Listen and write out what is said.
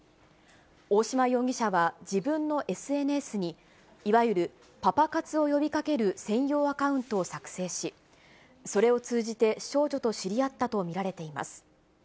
大島容疑者は、自分のＳＮＳに、いわゆるパパ活を呼びかける専用アカウントを作成し、それを通じて少女と知り合ったと見られています。